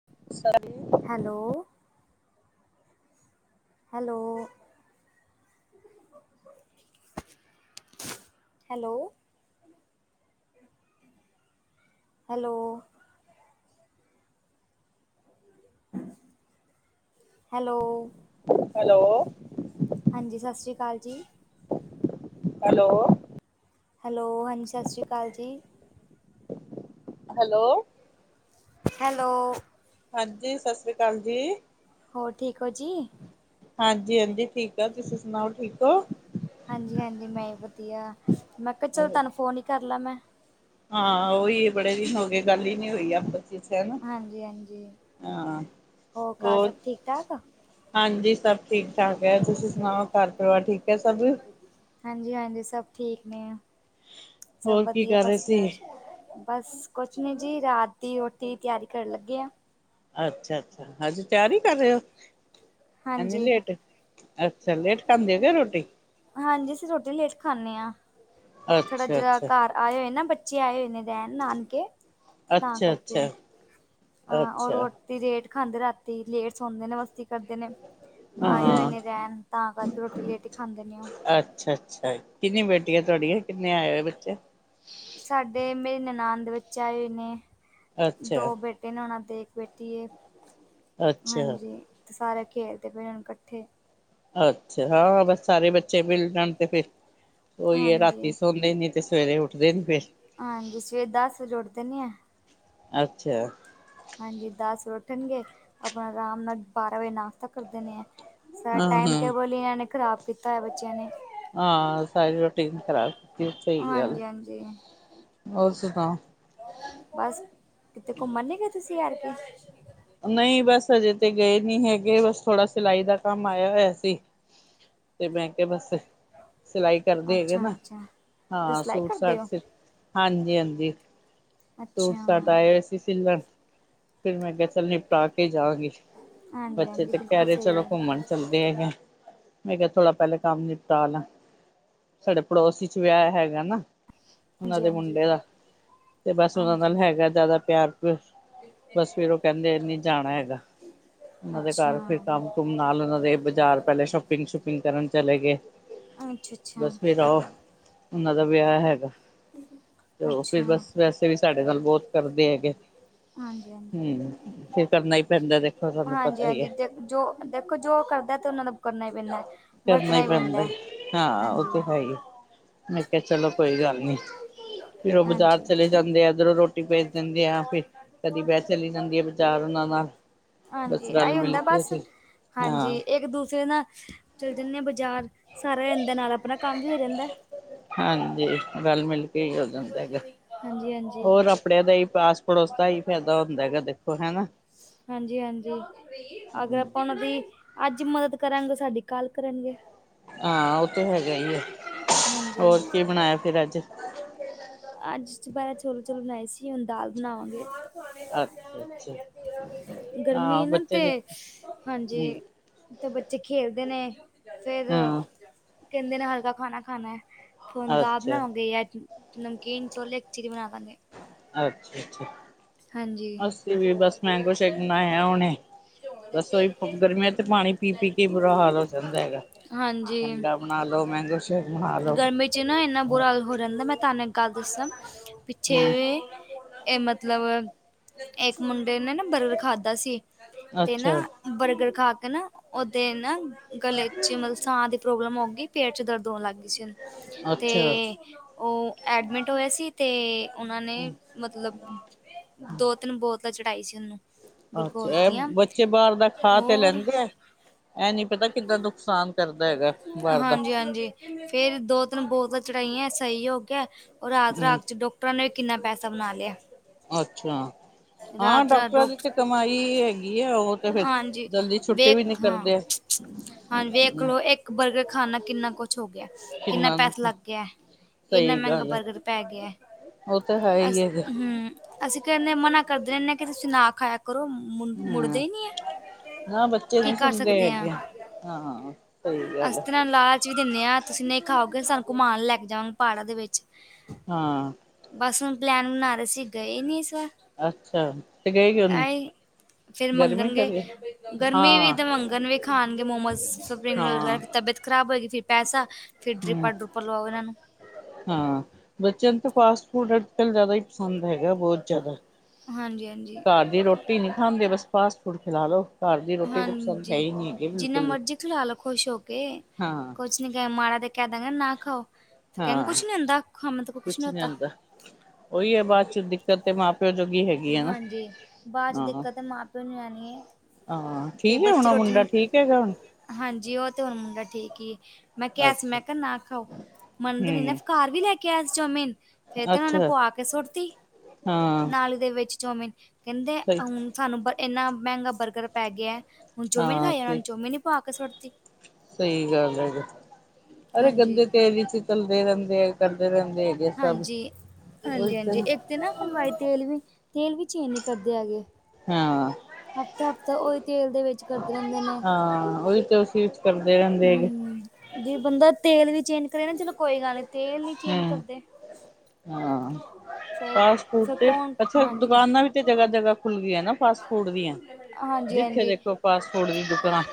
[unintelligible] Hello. Hello. Hello! Hello! Hello! Hello! ਹਾਂਜੀ, ਸਤਿ ਸ਼੍ਰੀ ਅਕਾਲ ਜੀ। ਹੈਲੋ! ਹੈਲੋ! ਹਾਂਜੀ, ਸਤਿ ਸ਼੍ਰੀ ਅਕਾਲ ਜੀ। ਹੈਲੋ! ਹੈਲੋ! ਹਾਂਜੀ, ਸਤਿ ਸ਼੍ਰੀ ਅਕਾਲ ਜੀ। ਹੋਰ, ਠੀਕ ਹੈ ਜੀ। ਹਾਂਜੀ, ਹਾਂਜੀ, ਠੀਕ ਆ। ਤੁਸੀਂ ਸੁਣਾਓ! ਠੀਕ ਹੋ। ਹਾਂਜੀ, ਹਾਂਜੀ, ਮੈਂ ਵਧੀਆ। ਮੈਂ ਕਿਹਾ- ਚਲੋ, ਤੁਹਾਨੂੰ ਫੋਨ ਹੀ ਕਰ ਲੈ ਮੈਂ। ਹਾਂ, ਉਹੀ ਬੜੇ ਦਿਨ ਹੋ ਗਏ। ਗੱਲ ਹੀ ਨਹੀਂ ਹੋਈ ਆਪ ਹਨ ਹਾਂਜੀ-ਹਾਂਜੀ ਹਾਂ, ਘਰ ਹੋਰ ਸਭ ਠੀਕ ਠਾਕ? ਹਾਂਜੀ, ਸਭ ਠੀਕ ਠਾਕ ਹੈ। ਤੁਸੀਂ ਸੁਣਾਓ! ਘਰ ਪਰਿਵਾਰ ਠੀਕ ਹੈ ਸਭ। ਹਾਂਜੀ, ਹਾਂਜੀ। ਸਭ ਠੀਕ ਨੇ, ਸਭ ਹੋਰ ਕੀ ਵਧੀਆ ਕਰ ਰਹੇ ਫਸਟ ਸੀ? ਕਲਾਸ। ਬਸ ਕੁਛ ਨਹੀਂ ਜੀ ਰਾਤ ਦੀ ਰੋਟੀ ਦੀ ਤਿਆਰੀ ਕਰਨ ਲੱਗੇ ਆ ਅੱਛਾ, ਅੱਛਾ। ਹਜ ਤਿਆਰ ਹੀ ਕਰ ਰਹੇ ਹੋ। ਐਨੀ ਹਾਂਜੀ, ਲੇਟ ਅੱਛਾ, ਲੇਟ ਖਾਂਦੇ ਹੋਗੇ ਰੋਟੀ। ਹਾਂਜੀ, ਅਸੀਂ ਰੋਟੀ ਲੇਟ ਖਾਂਦੇ ਹਾਂ। ਥੋੜਾ ਜਿ ਅੱਛਾ-ਅੱਛਾ, ਘਰ ਆਏ ਹੋਏ ਨਾ ਬ ਚੇ ਆਏ ਹੋਏ ਨੇ ਦੇਣ ਨਾਨਕੇ ਤਾਂ ਕਰਕੇ ਅੱਛਾ-ਅੱਛਾ। ਅੱਛਾ, ਹਾਂ, ਉਹ ਅੱਛਾ ਅੱਛਾ ਰੋਟੀ ਲੇਟ ਖਾਂਦੇ। ਰਾਤੀ ਲੇਟ ਸੌਦੇ ਨੇ ਮਸਤੀ ਕਰਦੇ ਨੇ ਆਏ ਹੋਏ ਹਾਂ। ਨੇ ਰਹਿਣ ਤਾਂ ਕਰਕੇ ਰੋਟੀ ਲਈ ਰੇਟੀ ਖਾਂਦੇ ਨੇ ਉਹ। ਅੱਛਾ, ਅੱਛਾ ਜ ਕਿੰਨੀ ਬੇਟੀ ਹੈ ਤੁਹਾਡੀਆਂ, ਕਿੰਨੇ ਆਏ ਹੋਏ ਬੱਚੇ। ਸਾਡੇ ਮੇਰੇ ਨਨਾਨ ਦੇ ਬੱਚੇ ਆਏ ਹੋਏ ਨੇ, ਅੱਛਾ ਦੋ ਬੇਟੇ ਤਿੰਨ ਨਣਾ ਦੇ ਇੱਕ ਬੇਟੀ ਹੈ। ਅੱਛਾ ਹਾਂਜੀ ਤੇ ਸਾਰੇ ਖੇਲਦੇ ਪ ਇਕੱਠੇ ਅੱਛਾ। ਹਾਂ, ਬਸ ਸਾਰੇ ਬੱਚੇ ਮਿਲ ਜਾਣ ਤੇ ਫਿਰ ਉਹੀਏ ਰਾਤੀ ਹਾਂਜੀ ਸੌਂਦੇ ਨੀ ਤੇ ਸਵੇਰੇ ਉੱਠਦੇ ਨ ਫਿਰ ਹਾਂਜੀ, ਸਵੇਰ ਦਸ ਵਜੇ ਉੱਠਦੇ ਨੀ ਆ ਅੱਛਾ। ਹਾਂਜੀ। ਦਸ ਵ ਉੱਠਣਗੇ ਆਪਣਾ ਆਰਾਮ ਨਾਲ ਬਾਰਾਂ ਵਜੇ ਨਾਸ਼ਤਾ ਕਰਦੇਣੇ। ਸਾਰਾ ਹਾਂ ਟਾਈਮ ਹਾਂ ਟੇਬਲ ਹੀ ਇਹਨਾਂ ਨੇ ਖ਼ਰਾਬ ਕੀਤਾ ਹੋਆ ਬੱਚਿਆਂ ਨੇ ਹਾਂ, ਸਾਰੀ ਰੋਟੀਨ ਖ਼ਰਾਬ ਕੀਤੀ। ਸਹੀ ਗੱਲ, ਹਾਂਜੀ ਹਾਂਜੀ ਹੋਰ ਸੁਣਾਓ। ਬਸ, ਕਿਥੇ ਘੁੰਮਣ ਨ ਗ ਤੁਸੀਂ ਯਾਰ ਕੇ ਨਹੀਂ ਬਸ, ਅਜੇ ਤੇ ਗਏ ਨਹੀਂ ਹੈਗੇ। ਬਸ, ਥੋੜਾ ਸਿਲਾਈ ਦਾ ਕੰਮ ਆਇਆ ਹੋਇਆ ਸੀ। [unintelligible] [inaudible] ਤੇ ਮੈਂ ਕਿਹਾ- ਬਸ, ਸਿਲਾਈ ਕਰਦੇ ਹੈਗੇ ਅੱਛਾ ਨਾ ਅੱਛਾ ਤੁਸੀਂ ਹਾਂ, ਸਿਲਾਈ ਕਰਦੇ ਸੂਟ-ਸਾਟ ਹੋ ਹਾਂਜੀ, ਹਾਂਜੀ। ਅੱਛਾ ਸੂਟ-ਸਾਟ ਆਏ ਹੋਏ ਸੀ। ਸਿਲਣ ਫਿਰ ਮੈਂ ਕਿਹਾ ਚੱਲ ਨਿਪਟਾ ਕੇ ਜਾਣਗੇ। ਹਾਂਜੀ ਬੱਚੇ ਹਾਂਜੀ ਤੇ ਕਹਿ ਬਿਲਕੁਲ ਰਹੇ ਸਹੀ ਚਲੋ ਹੈ ਘੁੰਮਣ ਚੱਲਦੇ ਹੈਗੇ। ਮੈਂ ਕਿਹਾ-ਥੋੜਾ ਪਹਿਲਾਂ ਕੰਮ ਨਿਪਟਾ ਲਾ ਸਾਡੇ ਪੜੋਸੀ ਚ ਵਿਆਹ ਹੈਗਾ ਨਾ ਉਹਨਾਂ ਹਾਂਜੀ ਦੇ ਹਾਂਜੀ ਮੁੰਡੇ ਦਾ ਤੇ ਬਸ ਉਹਨਾਂ ਨਾਲ ਹਾਂਜੀ ਹੈਗਾ ਜ਼ਿਆਦਾ ਪਿਆਰ ਪਿਉਰ ਬਸ ਫਿਰ ਉਹ ਕਹਿੰਦੇ ਨੀ ਜਾਣਾ ਹੈਗਾ। ਉਹਨਾਂ ਦੇ ਘਰ ਫਿਰ ਅੱਛਾ ਕੰਮ ਕੁੰਮ ਨਾਲ ਓਨਾਂ ਦੇ ਬਜ਼ਾਰ ਪੈਲੇ ਸ਼ੋਪਿੰਗ-ਸ਼ੂਪਿੰਗ ਕਰਨ ਚਲੇਗੇ। ਅੱਛਾ ਅੱਛਾ ਬਸ ਫਿਰ ਆਓ ਓਨਾਂ ਦਾ ਵਿਆਹ ਹੈਗਾ। ਤੇ ਓ‌ ਅੱਛਾ ਫਿਰ ਬਸ ਵੈਸੇ ਵੀ ਸਾਡੇ ਨਾਲ ਬੋਹਤ ਕਰਦੇ ਹੈਗੇ। ਹਾਂਜੀ-ਹਾਂਜੀ। ਫਿਔੰਮਰ ਕਰਨਾ ਹੀ ਪੈਂਦਾ ਦੇਖੋ ਤੁਹਾਨੂੰ ਪਤਾ ਹੀ ਹੈ ਜੋ ਦੇਖੋ ਜੋ ਕਰਦਾ ਤੇ ਓਨਾਂ ਨੂੰ ਕਰਨਾ ਹੀ ਪੈਂਦਾ। ਕਰਨਾ ਈ ਵਰਤਣਾ ਹੀ ਪੈਂਦਾ ਹਾਂ ਓ ਹਾਂਜੀ ਤੇ ਹੈ ਈ ਏ। ਮੈਂ ਕੇਆ ਚਲੋ ਕੋਈ ਗੱਲ ਨੀ ਫੇਰ ਓ ਬਾਜ਼ਾਰ ਹਾਂਜੀ ਚਲੇ ਜਾਂਦੇ ਐ ਇਧਰੋਂ ਰੋ ਟੀ ਪੇਜ ਦਿੰਦੇ ਆ ਫਿਰ ਕਦੀ ਮੈ‌ ਚਲੀ ਜਾਂਦੀ ਆ ਬਾਜਾਰ ਓਨਾਂ ਨਾਲ। ਬਸ ਹਾਂਜੀ ਰਲ ਐਈ ਮਿਲ ਹੁੰਦਾ ਕੇ ਬਸ ਤੇ ਹਾਂਜੀ ਹਾਂ ਏਕ-ਦੂਜੇ ਨਾਲ ਚੱਲ ਜਣ ਆ ਬਾਜ਼ਾਰ ਸਾਹਰਾ ਹੋ ਜਂਦਾ ਨਾਲ ਆਪਣਾ ਕੰਮ ਵੀ ਹੋ ਜਂਦਾ। ਹਾਂਜੀ ਰਲ-ਮਿਲ ਕੇ ਹੀ ਹੋ ਜਾਂਦਾ ਹੈਗਾ ਹਾਂਜੀ ਹਾਂਜੀ ਹੋਰ ਆਪ ਣਆਂ ਦਾ ਈ ਪਾਸ-ਪੜੋਸ ਦਾ ਐਈ ਫੈਦਾ ਹੁੰਦਾ ਹੈਗਾ ਦੇਖੋ ਹੈਨਾ। ਹਾਂਜੀ-ਹਾਂਜੀ ਅਗਰ ਅਪਾਂ ਓਨਾਂ ਦੀ ਅੱਜ ਮਦਦ ਕਰਾਂਗੇ ਓ ਸਾਡੀ ਕੱਲ ਕਰਨਗੇ। ਹਾਂ ਓ ਤੇ ਹੈਗਾ ਈ ਐ ਹੋਰ ਕੇ ਬਣਾਇਆ ਹਾਂਜੀ ਫੇਰ ਅੱਜ? ਅੱਜ ਦੈਪੈਰਾ ਚੌਲ-ਚੋਲ ਬਣਾਏ ਸੀ ਹੁਣ ਦਾਲ ਬਣਾਵਾਂਗੇ। ਅੱਛਾ ਅੱਛਾ ਗਰਮੀ ਹਾਂ ਐ ਨਾ ਬੱਚੇ ਤੇ ਦੇ ਹਮ ਹਾਂਜੀ ਤੇ ਬੱਚੇ ਖੇਲਦੇ ਨੇ ਫੇਰ ਹਾਂ ਕੇੰਦੇ ਨੇ ਹਲਕਾ ਖਾਨਾ ਖਾਣਾ। ਹੁਣ ਦਾਲ ਅੱਛਾ ਬਨਾਵਾਂਗੇ ਯਾ ਨਮਕੀਨ ਛੋਲੇ ਇੱਕ ਚੀਜ ਬਣਾਲਾਂਗੇ। ਅੱਛਾ-ਅੱਛਾ ਹਾਂਜੀ। ਅਸੀਂ ਵੀ ਬਸ ਮੈਂਗੋ ਸ਼ੇਕ ਬਣਾਯਾ ਹੁਣੇ। ਬਸ ਓਹੀ ਗਰਮੀਆਂ ਚ ਪਾਣੀ ਪੀ-ਪੀ ਕੇ ਈ ਬੁਰਾ ਹਾਲ ਹੋ ਜਾਂਦਾ ਹੈਗਾ। ਹਾਂਜੀ ਠੰਡਾ ਬਣਾ ਲੋ, ਮੈਂਗੋ ਸ਼ੇਕ ਬਣਾ ਲੋ, ਗਰਮੀ ਚ ਨਾ ਏਨਾ ਬੁਰਾ ਹਾਲ ਹੋ ਜਾਂਦਾ ਮੈਂ ਤਾਂਨੂੰ ਇੱਕ ਗੱਲ ਦਸਾ ਪਿੱਛੇ ਹੂੰ ਵੇ ਏ ਮਤਲਬ ਇੱਕ ਮੁੰਡੇ ਨੇ ਨਾ ਬਰਗਰ ਖਾਧਾ ਸੀ ਤੇ ਨਾ ਅੱਛਾ। ਬਰਗਰ ਖਾਕੇ ਨਾ ਓਦੇ ਨਾ ਗਲੇ ਚ ਮਤਲਬ ਸਾਂ ਦੀ ਪ੍ਰੋਬਲਮ ਹੋਗੀ ਪੇਟ ਚ ਦਰਦ ਹੋਣ ਲੱਗ ਗੀ ਸੀ ਤੇ ਅੱਛਾ, ਓ ਐਡਮੇਟ ਹੋਇਆ ਸੀ ਤੇ ਓਨਾਂ ਨੇ ਮਤਲਬ ਦੋ-ਤਿੰਨ ਬੋਤਲਾਂ ਚੜਾਈ ਸੀ ਓਨੂੰ। ਅੱਛਾ ਐ ਬੱਚੇ ਬਾਰ ਦਾ ਖਾ ਤੇ ਹੋਰ ਲੈਂਦੇ ਐ, ਐ ਨੀ ਪਤਾ ਕਿੱਨਾ ਨੁਕਸਾਨ ਕਰਦਾ ਹੈਗਾ ਬਾਹਰ ਦਾ ਹਾਂਜੀ-ਹਾਂਜੀ। ਫੇਰ ਦੋ-ਤਿੰਨ ਬੋਤਲਾਂ ਚੜਾਈਆਂ ਸਈ ਹੋ ਗਯਾ ਓ ਰਾਤ- ਹੂੰ ਰਾਤ ਚ ਡੋ ਕਟਰਾ ਨੇ ਕਿੰਨਾ ਪੈਸਾ ਬਣਾ ਲਯਾ। ਅੱਛਾ। ਹਾਂ ਰਾਤ ਡੋਕਟਰਾਂ ਦੀ ਤੇ ਡਾਕਟਰ ਕਮਾਈ ਹੈਗੀ ਐ ਓ ਤੇ ਫਿਰ ਜਲਦੀ ਛੁੱਟੀ ਵੀ ਨੀ ਕਰਦੇ। ਹਾਂਜੀ ਦੇਖ ਆ। ਲੋ ਇੱਕ ਬਰਗਰ ਖਾਣ ਨਾਲ ਕਿੰਨਾ ਕੁਛ ਹੋ ਗਯਾ। ਕਿੰਨਾ ਪੈਸਾ ਲੱਗ ਗਯਾ ਏਨਾ ਸਹੀ ਮੈਂਗਾ ਗੱਲ ਐ। ਬਰਗਰ ਪੈ ਗਯਾ। ਉਹ ਤਾਂ ਹੈ ਅਸ ਹੀ ਹੈਗਾ ਹੂੰ ਅਸੀਂ ਕੈਣੇ ਆ ਮਨਾ ਕਰਦੇ ਰੈਣੇ ਆ ਕਿ ਤੁਸੀਂ ਨਾ ਖਾਯਾ ਕ ਕਰੋ ਮੁ ਮੁੜਦੇ ਹੂੰ ਈ ਨੀ ਐ ਕੀ ਕਰ ਸਕਦੇ ਆ ਹਾਂ-ਹਾਂ-ਹਾਂ। ਅਸਤਰਾਂ ਲਾਜ ਵੀ ਦਿੰਨੇ ਆ ਤੁਸੀਂ ਨਹੀਂ ਖਾਓਗੇ ਸਾਨੂੰ ਕੁਮਾਨ ਲੈਕੇ ਜਾਓ ਪਾੜਾ ਦੇ ਵਿੱਚ ਹਾਂ। ਬਸ ਹੁਣ ਪਲੈਨ ਬਣਾ ਰੇ ਸੀ ਗਏ ਨੀ ਇਸ ਵਾਰ ਅੱਛਾ ਤੇ ਗਏ ਕਿਓ ਨੀ? ਆਏ ਫਿਰ ਗਰਮੀ ਮੰਗਣਗੇ ਕਰਕੇ ਗਰਮੀ ਵੀ ਹਾਂ ਤੇ ਮੰਗਣ ਵੀ ਖਾਣਗੇ ਮੋਮੋਜ਼ ਸ [unintelligible] ਹਾਂ ਵੈ ਤਬੀਅਤ ਖਰਾਬ ਹੋਏਗੀ ਫਿਰ ਪੈਸ ਫਿਰ ਹਮ ਡਰੀਪਾ-ਡਰੋਪਾਂ ਲਵਾਓ ਇਹਨਾਂ ਨੂੰ। ਹਾਂ ਬੱਚਿਆਂ ਨੂੰ ਤਾਂ ਫਾਸਟ ਫੂਡ ਅੱਜ ਕੱਲ ਜਾਦਾ ਹੀ ਪਸੰਦ ਹੈਗਾ ਬੋਹਤ ਜਾਦਾ। ਹਾਂਜੀ-ਹਾਂਜੀ ਘਰ ਦੀ ਰੋਟੀ ਨੀ ਖਾਂਦੇ ਬਸ ਫਾਸਟ ਫੂਡ ਖਿਲਾ ਲੋ। ਘਰ ਦੀ ਰੋਟੀ ਤਾਂ ਪਸੰਦ ਹੈ ਹਾਂਜੀ ਹੀ ਨਹੀਂ ਹੈਗੀ ਜਿੰਨਾ ਬਿਲਕੁਲ ਵੀ ਮਰਜ਼ੀ ਖਿਲਾ ਲਓ ਖੁਸ਼ ਹੋ ਕੇ ਹਾਂ ਕੁਛ ਨੀ ਮਾੜਾ ਤੇ ਕਹਿ ਦਾਂ ਨਾ ਖਾਓ ਤੇ ਕਹਿੰ ਹਾਂ ਕੁੱਛ ਨੀ ਹੁੰਦਾ ਖਾ ਮ ਤ ਕੁਛ ਨੀ ਹੋਤਾ। ਉਹੀ ਹੈ ਬਾਦ ਚ ਦਿੱਕਤ ਤੇ ਮਾਂ ਪਿਓ ਜੋਗੀ ਹੈਗ ਹਾਂਜੀ ਬਾਦ ਚ ਦਿੱਕਤ ਮਾਂ ਪਿਓ ਨੂੰ ਰਿਣੀ ਏ। ਹਾਂ ਠੀਕ ਐ ਹੁਣਾ ਮੁੰਡਾ ਠੀਕ ਹੈਗਾ ਹੁਣ। ਹਾਂਜੀ ਉਹ ਤੇ ਹੁਣ ਮੁੰਡਾ ਠੀਕ ਏ। ਮੈਂ ਕਿਹਾ ਸੀ ਅੱਛਾ ਮੈਂ ਕਿਹਾ ਨਾ ਖਾਓ, ਮੰਨਦੇ ਨੀ ਨਾ ਹਮ ਘਰ ਵੀ ਲੈ ਕੇ ਆਇਆ ਸੀ ਚੌਮਿਨ। ਫੇਰ ਤੇ ਉਹ ਨੇ ਅੱਛਾ ਪੁਵਾ ਕੇ ਸੁੱਟਤੀ ਹਾਂ ਨਾਲੀ ਦੇ ਵਿੱਚ ਚੌਮਿਨ ਕਹਿੰਦੇ ਸਹੀ ਹੁਣ ਸਾਨੂੰ ਇੰਨਾ ਮਹਿੰਗਾ ਬਰਗਰ ਪੈ ਗਿਆ ਹੁਣ ਚੌਮੀਨ ਹਾਂ ਖਾਈ ਜਾ ਉਹਨਾਂ ਸਹੀ ਨੂੰ ਚੌਮੀਿਨ ਹੀ ਪਾ ਕੇ ਸੁੱਟਤੀ। ਸਹੀ ਗੱਲ ਹੈ ਅਰੇ ਹਾਂਜੀ ਗੰਦੇ ਤੇਰੀ ਚ ਤੱਲਦੇ ਰਹਿੰਦੇ ਆ ਕਰਦੇ ਰਹਿੰਦੇ ਆ। ਹਾਂਜੀ-ਹਾਂਜੀ, ਹਾਂਜੀ ਇੱਕ ਤਾਂ ਨਾ ਹਲਵਾਈ ਤੇਲ ਵੀ ਤੇਲ ਵੀ ਚੇਂਜ ਨੀ ਕਰਦੇ ਹੈਗੇ। ਹਾਂ ਹਫ਼ਤਾ-ਹਫ਼ਤਾ ਉਹੀ ਤੇਲ ਦੇ ਵਿੱਚ ਕਰਦੇ ਰਹਿੰਦੇ ਨੇ। ਹਾਂ ਉਹੀ ਤਾਂ ਉਸੇ ਇਚ ਕਰਦੇ ਰਹਿੰਦੇ ਹੈਗੇ। ਹਮ ਜੇ ਬੰਦਾ ਤੇਲ ਵੀ ਚੇਂਜ ਕਰੇ ਨਾ ਚਲੋ ਕੋਈ ਗੱਲ ਨੀ ਤੇਲ ਨੀ ਚੇਂਜ ਹਮ ਕਰਦੇ। ਹਾਂ ਫਿਰ ਫਾਸਫੂਡ ਫਿਰ ਤੇ ਕੌਣ ਅੱਛਾ ਹਾਂਜੀ ਦੁਕਾਨਾਂ ਵੀ ਤੇ ਜਗ੍ਹਾ ਜਗ੍ਹਾ ਖੁੱਲ ਗਈਆਂ ਨਾ ਫਾਸਟਫੂਡ ਦੀਆਂ ਹਾਂਜੀ ਜਿੱਥੇ ਹਾਂਜੀ ਦੇਖੋ ਫਾਸਟਫੂਡ ਦੀ ਦੁਕਾਨ।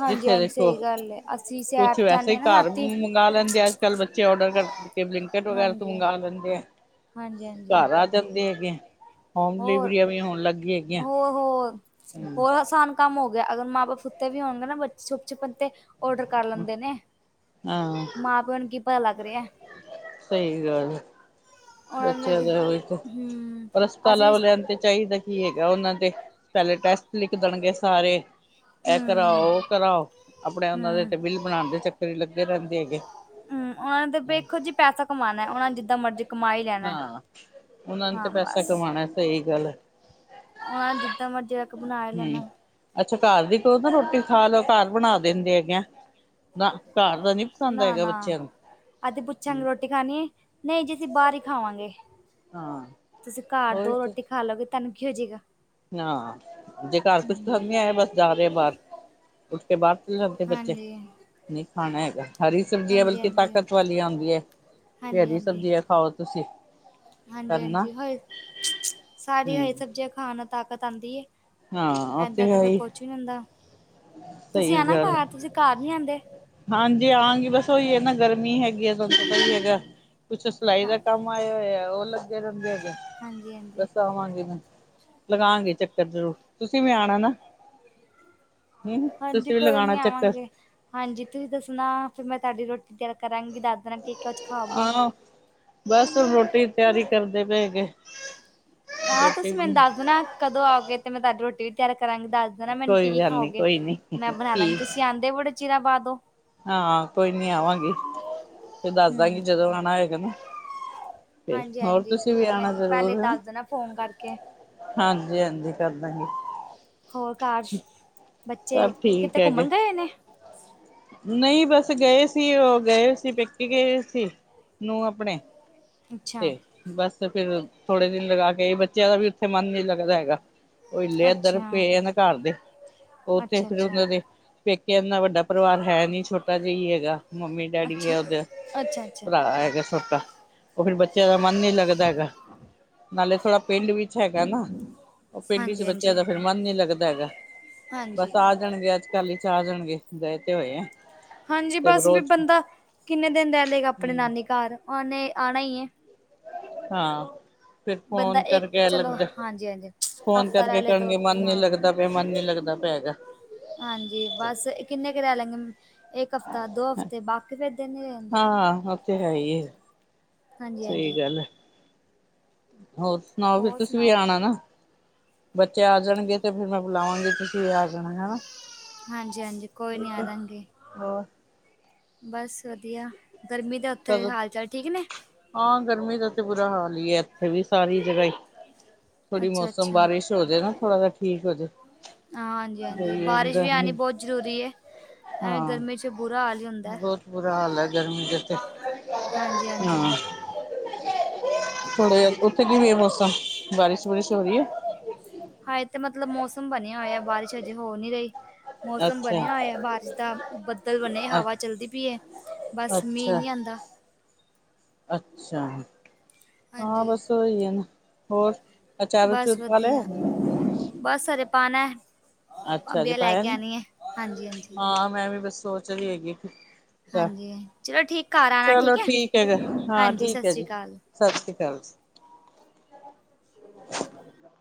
ਹਾਂਜੀ ਜਿੱਥੇ ਹਾਂਜੀ ਦੇਖੋ ਸਹੀ ਗੱਲ ਹੈ ਅਸੀਂ ਸੈਰ ਕੁਛ ਵੈਸੇ ਜਾਂਦੇ ਹੀ ਹਾਂ ਨਾ ਘਰ ਰਾਤੀ ਮੰਗਵਾ ਲੈਂਦੇ ਆ ਅੱਜ ਕੱਲ ਬੱਚੇ ਔਡਰ ਕਰ ਚੇ ਬਲਿੰਕਟ ਵਗੈਰਾ ਤੋਂ ਹਾਂਜੀ ਮੰਗਵਾ ਲੈਂਦੇ ਆ ਹਾਂਜੀ ਹਾਂਜੀ ਘਰ ਆ ਜਾਂਦੇ ਹੈਗੇ ਹੈ। ਹੋਮ ਹੋਰ ਡਿਲੀਵਰੀਆਂ ਵੀ ਹੋਣ ਲੱਗ ਗੀ ਹੈਗੀਆਂ। ਹੋਰ ਹੋਰ, ਹੋਰ ਆਸਾਨ ਕੰਮ ਹੋ ਗਿਆ ਅਗਰ ਮਾਂ ਬਾਪ ਸੁੱਤੇ ਵੀ ਹੋਣਗੇ ਨਾ ਬੱਚੇ ਛੁਪ ਛੁਪਣਤੇ ਔਡਰ ਕਰ ਲੈਂਦੇ ਨੇ। ਹਾਂ। ਮਾਂ ਪਿਓ ਨੂੰ ਕੀ ਪਤਾ ਲੱਗ ਰਿਹਾ। ਸਹੀ ਗੱਲ। ਉਹਨਾਂ ਨੇ ਬੱਚਿਆ ਤੇ ਦਾ ਦੇਖੋ, ਹਮ ਹਸਪਤਾਲਾਂ ਅਸੀਂ ਵਾਲਿਆ ਨੂੰ ਤੇ ਚਾਹੀਦਾ ਕੀ ਹੈਗਾ ਉਹਨਾਂ ਦੇ ਪਹਿਲੇ ਟੈਸਟ ਲਿਖ ਦੇਣਗੇ ਸਾਰੇ। ਇਹ ਹਮ ਕਰਾਓ ਉਹ ਕਰਾਓ ਆਪਣੇ ਉਹਨਾਂ ਦੇ ਹਮ ਤੇ ਬਿੱਲ ਬਣਾਣ ਦੇ ਚੱਕਰ ਹੀ ਲੱਗੇ ਰਹਿੰਦੇ ਹੈਗੇ। ਹ ਉਹਨਾਂ ਨੇ ਤਾਂ ਵੇਖੋ ਜੀ ਪੈਸਾ ਕਮਾਉਣਾ ਉਹਨਾ ਨੇ ਜਿੱਦਾਂ ਮਰਜ਼ੀ ਕਮਾ ਹੀ ਲੈਣਾ ਹੈ। ਹਾਂ ਉਹਨਾਂ ਨੇ ਤੇ ਹਾਂ ਪੈਸਾ ਬਸ ਕਮਾਉਣਾ ਸਹੀ ਗੱਲ। ਉਹਨਾ ਨੇ ਜਿੱਦਾਂ ਮਰਜੀ ਅਕ ਬਣਾ ਹੀ ਹਮ ਲੈਣਾ। ਅੱਛਾ ਘਰ ਦੀ ਕੋ ਨਾ ਰੋਟੀ ਖਾ ਲੋ ਘਰ ਬਣਾ ਦਿੰਦੇ ਹੈਗੇ ਆ ਨਾ ਘਰ ਦਾ ਨੀ ਪਸੰਦ ਨਾ ਹੈਗਾ ਨਾ ਬੱਚਿਆਂ ਅਸੀਂ ਪੁੱਛਾਂਗੇ ਨੂੰ। ਰੋਟੀ ਖਾਣੀ ਹੈ ਨਈ ਜੀ ਅਸੀ ਬਾਰ ਹੀ ਖਾਵਾਂਗੇ ਹਾਂ ਤੁਸੀਂ ਘਰ ਦੋ ਰੋਟੀ ਖਾ ਲਓਗੇ ਤਾਨ ਕੀ ਹੋ ਗਾ। ਨਾ ਜੇ ਘਰ ਕੁਛਾ ਸੰਦ ਨੀ ਆਯਾ ਬਸ ਜਾ ਰਹੇ ਬਾਰ। ਉੱਠ ਕੇ ਬਾਹਰ ਚਲੇ ਜਾਂਦੇ ਬੱਚੇ। ਹਾਂਜੀ ਨੀ ਖਾਣਾ ਹੈਗਾ ਹਰੀ ਸਬਜ਼ੀਆ ਹਾਂਜੀ ਬਲਕਿ ਹਾਂਜੀ ਤਾਕਤ ਵਾਲੀਆ ਹੁੰਦੀਐ। ਤੇ ਹਰੀ ਸਬਜ਼ੀਆ ਖਾਓ ਤੁਸੀਂ। ਕਰਨਾ ਹਾਂਜੀ-ਹਾਂਜੀ ਹ ਸਾਰੀ ਹਰੀ ਹਮ ਸਬਜ਼ੀਆਂ ਖਾਣ ਨਾ ਤਾਕਤ ਆਂਦੀ ਏ। ਹਾਂ ਉਹ ਏਦਾਂ ਤੇ ਹੈ ਫੇਰ ਹੀ ਕੁਛ ਵੀ ਨੀ ਹੁੰਦਾ, ਤੁਸੀਂ ਸਹੀ ਆਣਾ ਗੱਲ ਘਰ ਤੁਸੀਂ ਘਰ ਨੀ ਆਂਦੇ। ਹਾਂਜੀ ਆਵਾਗੀ ਬਸ ਉਹੀ ਹੈ ਨਾ ਗਰਮੀ ਹੈਗੀ ਆ ਤੁਹਾਨੂੰ ਪਤਾ ਹੀ ਹੈਗਾ ਕੁਛ ਸਿਲਾਈ ਦਾ ਹਾਂ ਕੰਮ ਆ ਆਏ ਹੋਏ ਆ ਉਹ ਲੱਗੇ ਰਹਿੰਦੇ ਹੈਗੇ, ਹਾਂਜੀ ਹਾਂਜੀ ਦੱਸ ਆਵਾਂਗੀ ਮੈਂ। ਲਗਾਗੀ ਚੱਕਰ ਜ਼ਰੂਰ, ਤੁਸੀਂ ਵੀ ਆਣਾ ਨਾ। ਹਮ ਹਾਂਜੀ ਤੁਸੀਂ ਵੀ ਕੋਈ ਲਗਾਉਣਾ ਨੀ ਚੱਕਰ ਆਵਾਂਗੇ। ਹਾਂਜੀ ਤੁਸੀਂ ਦੱਸਣਾ ਫਿਰ ਮੈਂ ਤੁਹਾਡੀ ਰੋਟੀ ਤਿਆਰ ਕਰਾਂਗੀ, ਦੱਸ ਦੇਣਾ ਕੀ ਕੁਝ ਖਾਓਗੇ। ਆਹ ਬਸ ਹੁਣ ਰੋਟੀ ਦੀ ਤਿਆਰੀ ਕਰਦੇ ਪਏ ਹੈਗੇ। ਹਾਂ ਰੋਟੀ ਤੁਸੀਂ ਮੈਨੂੰ ਦੱਸ ਦੇਣਾ ਕਦੋਂ ਆਓਗੇ ਤੇ ਮੈਂ ਤੁਹਾਡੀ ਰੋਟੀ ਵੀ ਤਿਆਰ ਕਰਾਂਗੀ ਦੱਸ ਦੱਸ ਦੇਣਾ ਮੈਨੂੰ ਕੋਈ ਕੀ ਗੱਲ ਨੀ ਖਾਓਗੇ ਕੋਈ ਨੀ ਮੈਂ ਬਣਾ ਲਾਂਗੀ। ਠੀਕ ਤੁਸੀਂ ਆਂਦੇ ਬੜੇ ਚਿਰਾਂ ਬਾਅਦ ਓ। ਹਾਂ ਕੋਈ ਨੀ ਆਵਾਂਗੀ, ਫਿਰ ਦੱਸ ਦਾਂਗੀ ਹੂੰ ਜਦੋਂ ਆਣਾ ਹੋਏਗਾ ਨਾ। ਫਿਰ ਹਾਂਜੀ ਹੋਰ ਹਾਂਜੀ ਤੁਸੀਂ ਵੀ ਆਣਾ ਮੈਨੂੰ ਪਹਿਲੇ ਜ਼ਰੂਰ ਹੈ? ਦੱਸ ਦੇਣਾ ਫੋਨ ਕਰਕੇ। ਹਾਂਜੀ ਹਾਂਜੀ ਕਰਦਾ ਗੀ। ਹੋਰ ਘਰ ਚ, ਬੱਚੇ ਸਭ ਠੀਕ ਕਿਤੇ ਹੈਗੇ ਘੁੰਮਣ ਗਏ ਨੇ? ਨਹੀਂ ਬਸ ਗਏ ਸੀ ਉਹ ਗਏ ਹੋਏ ਸੀ ਪੇਕੇ ਗਏ ਹੋਏ ਸੀ ਨੂੰਹ ਆਪਣੇ। ਅੱਛਾ ਤੇ ਬਸ ਫੇਰ ਥੋੜੇ ਦਿਨ ਲਗਾ ਕੇ ਆਈ ਬੱਚਿਆਂ ਦਾ ਵੀ ਉੱਥੇ ਮਨ ਨੀ ਲੱਗਦਾ ਹੈਗਾ, ਉਹ ਹਿੱਲੇ ਇੱਧਰ ਅੱਛਾ ਪਏ ਆ ਨਾ ਘਰ ਦੇ, ਉੱਥੇ ਅੱਛਾ ਫਿਰ ਅੱਛਾ ਉਹਨਾਂ ਦੇ ਪੇਕੇ ਐਨਾ ਵੱਡਾ ਪਰਿਵਾਰ ਹੈ ਨੀ ਛੋਟਾ ਜਿਹਾ ਹੈਗਾ, ਮੰਮੀ ਡੈਡੀ ਅੱਛਾ ਆ ਉਹਦੇ, ਅੱਛਾ ਅੱਛਾ ਭਰਾ ਹੈਗਾ ਛੋਟਾ ਉਹ ਫਿਰ ਬੱਚਿਆਂ ਦਾ ਮਨ ਨੀ ਲੱਗਦਾ ਹੈਗਾ, ਨਾਲੇ ਥੋੜਾ ਪਿੰਡ ਵੀ ਵਿੱਚ ਹੈਗਾ ਨਾ, ਉਹ ਪਿੰਡ ਚ ਹਾਂਜੀ ਬੱਚਿਆਂ ਹਾਂਜੀ ਦਾ ਫਿਰ ਮਨ ਨੀ ਲੱਗਦਾ ਹੈਗਾ, ਹਾਂਜੀ ਬਸ ਆ ਜਾਣਗੇ ਅੱਜ ਕੱਲ੍ਹ ਹੀ ਚ ਆ ਜਾਣਗੇ ਗਏ ਤੇ ਹੋਏ ਆ। ਹਾਂਜੀ ਤੇ ਬਸ ਵੀ ਰੋਜ਼ ਬੰਦਾ ਕਿੰਨੇ ਦਿਨ ਰਹਿ ਲਏਗਾ ਆਪਣੇ ਹਮ ਨਾਨੀ ਘਰ, ਉਹਨੇ ਆਣਾ ਹੀ ਐ। ਹਾਂ। ਫਿਰ ਬੰਦਾ ਫ਼ੋਨ ਇੱਕ ਕਰਕੇ ਐ ਚਲੋ ਲੱਗਦਾ, ਹਾਂਜੀ ਹਾਂਜੀ ਫ਼ੋਨ ਹਫ਼ਤਾ ਕਰਕੇ ਰਹਿ ਲੇ ਦੋ ਕਰਨਗੇ ਮਨ ਨੀ ਹਾਂ ਲੱਗਦਾ ਪਿਆ ਮਨ ਨੀ ਲੱਗਦਾ ਪਿਆ ਹੈਗਾ। ਹਾਂਜੀ ਬਸ ਕਿੰਨੇ [inaudible] ਇੱਕ ਹਫਤਾ, ਦੋ ਹਫ਼ਤੇ ਬਾਕੀ ਫਿਰ ਦਿਨ ਨੀ ਰਹਿੰਦਾ। ਓ ਤੇ ਹੈ ਹੀ ਐ। ਹਾਂਜੀ ਹਾਂਜੀ। ਹੋਰ ਸੁਣਾਓ, ਫਿਰ ਹੋਰ ਤੁਸੀਂ ਵੀ ਸੁਣਾਓ ਆਣਾ ਨਾ? ਬੱਚੇ ਆ ਜਾਣਗੇ ਤੇ ਫਿਰ ਮੈਂ ਬੁਲਾਵਾਂਗੀ, ਤੁਸੀਂ ਆ ਜਾਣਾ ਹਨਾ। ਹਾਂਜੀ-ਹਾਂਜੀ ਕੋਈ ਨੀ ਆਜਾਗੇ ਹੋਰ ਬਸ ਵਧੀਆ, ਗਰਮੀ ਦਾ ਉੱਥੇ ਕਦੋਂ ਹਾਲ ਚਾਲ ਠੀਕ ਨੇ? ਹਾਂ ਗਰਮੀ ਦਾ ਤੇ ਬੁਰਾ ਹਾਲ ਹੀ ਐ ਇੱਥੇ ਵੀ ਸਾਰੀ ਜਗ੍ਹਾ ਹੀ। ਥੋੜੀ ਅੱਛਾ ਮੌਸਮ ਅੱਛਾ ਬਾਰਿਸ਼ ਹੋ ਜੇ ਨਾ ਥੋੜਾ ਜਿਹਾ ਠੀਕ ਹੋ ਜੇ, ਹਾਂਜੀ ਹਾਂਜੀ ਉਹੀ ਓ ਬਾਰਿਸ਼ ਵੀ ਆਉਣੀ ਗਰਮੀ। ਬਹੁਤ ਜ਼ਰੂਰੀ ਐ, ਐਵੇਂ ਹਾਂ ਗਰਮੀ ਚ ਬੁਰਾ ਹਾਲ ਈ ਹੁੰਦਾ। ਬਹੁਤ ਬੁਰਾ ਹਾਲ ਹੈ ਗਰਮੀ ਦੇ ਤੇ ਹਾਂਜੀ ਹਾਂਜੀ। ਹਾਂ ਥੋੜਾ ਜਿਹਾ, ਹਾਂਜੀ ਉੱਥੇ ਕਿਵੇਂ ਆ ਮੌਸਮ, ਬਾਰਿਸ਼ ਬੂਰਸ਼ ਹੋ ਰਹੀ ਐ? ਹਾਂ ਇਥੇ ਮਤਲਬ ਮੌਸਮ ਬਣਿਆ ਹੋਇਆ ਬਾਰਿਸ਼ ਹਜੇ ਹੋ ਨਹੀਂ ਰਹੀ। ਮੌਸਮ ਅੱਛਾ ਬਣਿਆ ਹੋਇਆ ਬਾਰਿਸ਼ ਦਾ, ਬੱਦਲ ਬਣੇ, ਅ ਹਵਾ ਚਲਦੀ ਪਈ ਐ। ਬਸ ਮੀਂਹ ਅੱਛਾ ਨੀ ਆਂਦਾ। ਅੱਛਾ। ਹਾਂ ਹਾਂਜੀ। ਬਸ ਉਹੀ ਏ ਨਾ, ਹੋਰ? ਅਚਾਰ ਅਚੂਰ ਬਸ ਪਾ ਲਿਆ? ਵਧੀਆ ਬਸ ਹਜੇ ਪਾਣਾ। ਅੱਛਾ ਅਜੇ ਅੰਬੀਆਂ ਲੈ ਪਾਇਆ ਕੇ ਨੀ? ਆਣੀ ਏ ਹਾਂਜੀ-ਹਾਂਜੀ। ਹਾਂ ਮੈਂ ਵੀ ਬਸ ਸੋਚ ਰਹੀ ਹੈਗੀ ਕਿ ਹਾਂਜੀ ਚਲੋ ਠੀਕ ਘਰ ਆਣਾ ਠੀਕ ਐ, ਹੈਗਾ ਹਾਂ ਹਾਂਜੀ ਸਤਿ ਠੀਕ ਹੈ ਸ੍ਰੀ ਜੀ ਅਕਾਲ। ਸਤਿ ਸ੍ਰੀ ਅਕਾਲ ਜੀ। [inaudible]